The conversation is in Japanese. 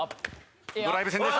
ドライブ戦です。